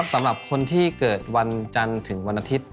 สำหรับคนที่เกิดวันจันทร์ถึงวันอาทิตย์